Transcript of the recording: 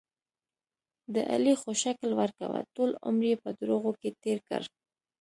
د علي خو شکل ورکوه، ټول عمر یې په دروغو کې تېر کړ.